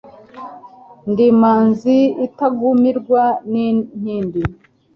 Ndi imanzi itagumirwa n' inkindi